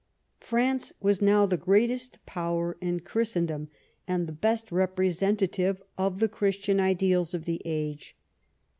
France was now the greatest power in Christendom, and the best representative of the Christian ideals of the age.